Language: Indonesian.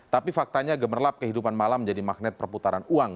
tapi faktanya gemerlap kehidupan malam menjadi magnet perputaran uang